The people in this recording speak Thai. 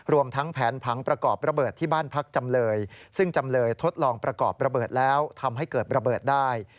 รวมทั้งแผนผังประกอบระเบิดที่บ้านพักจำเลยซึ่งจำเลยทดลองประกอบระเบิดแล้วทำให้เกิดระเบิดได้